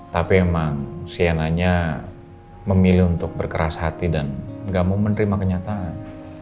tapi emang cnn nya memilih untuk berkeras hati dan gak mau menerima kenyataan